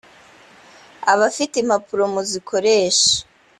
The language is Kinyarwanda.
abafite impapuro muzikoreshe.